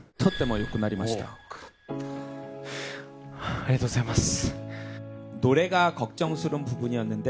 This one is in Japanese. ありがとうございます。